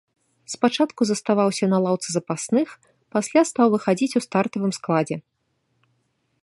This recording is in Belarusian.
Спачатку заставаўся на лаўцы запасных, пасля стаў выхадзіць у стартавым складзе.